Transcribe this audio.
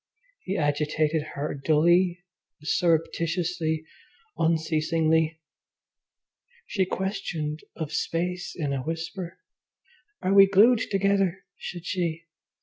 He agitated her dully, surreptitiously, unceasingly. She questioned of space in a whisper, "Are we glued together?" said she.